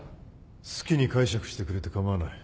好きに解釈してくれて構わない。